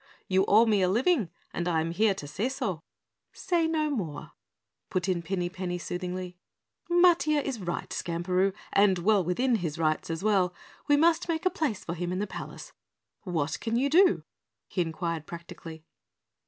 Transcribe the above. You owe me a living and I am here to say so." "Say no more," put in Pinny Penny soothingly. "Matiah is right, Skamperoo, and well within his rights as well. We must make a place for him in the palace. What can you do?" he inquired practically.